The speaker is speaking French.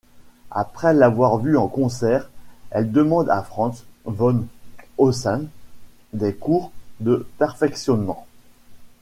Après l'avoir vu en concert, Elle demande à Franz von Hoesslin des cours de perfectionnement.